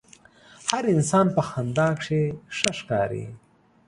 هر انسان په خندا کښې ښه ښکاري.